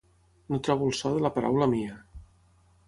No trobo el so de la paraula mia.